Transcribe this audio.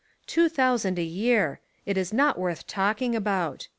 Two thousand a year ! It is not worth talking about.